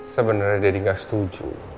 sebenernya dedi gak setuju